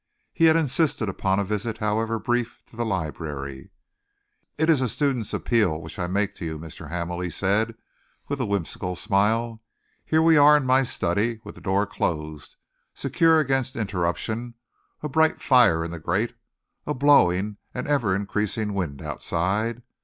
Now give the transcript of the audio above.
He had insisted upon a visit, however brief, to the library. "It is a student's appeal which I make to you, Mr. Hamel," he said, with a whimsical smile. "Here we are in my study, with the door closed, secure against interruption, a bright fire in the grate, a bowling and ever increasing wind outside.